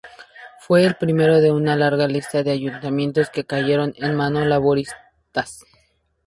Fue el primero de una larga lista de ayuntamientos que cayeron en manos laboristas.